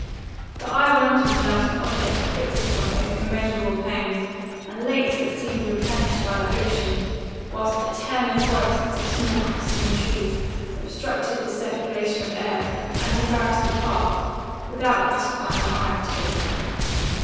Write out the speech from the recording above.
The eye wandered without an object to fix upon over immeasureable plains, and lakes that seemed replenished by the ocean, whilst eternal forests of small clustering trees, obstructed the circulation of air, and embarrassed the path, without gratifying the eye of taste.